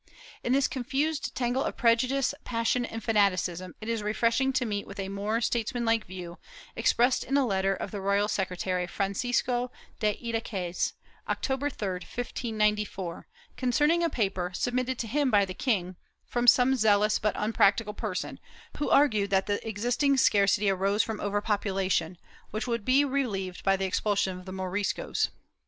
In this confused tangle of prejudice, passion and fanaticism, it is refresh ing to meet with a more statesmanlike view, expressed in a letter of the royal secretary, Francisco de Idiaquez, October 3, 1594, concerning a paper, submitted to him by the king, from some zealous but unpractical person, who argued that the existing scarcity arose from overpopulation, which would be relieved by the expulsion of the Moriscos.